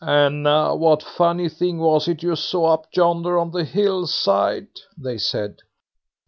"And now, what funny thing was it you saw up yonder on the hill side?" they said.